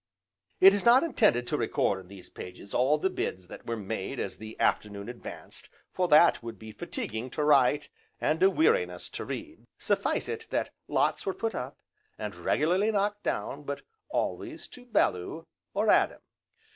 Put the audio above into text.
It is not intended to record in these pages all the bids that were made as the afternoon advanced, for that would be fatiguing to write, and a weariness to read; suffice it that lots were put up, and regularly knocked down but always to Bellew, or Adam.